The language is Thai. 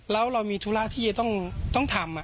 แล้วเรามีธุระที่จะต้องทำ